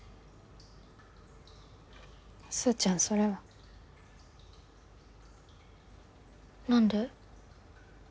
スーちゃんそれは。何で？